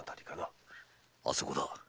あそこだ。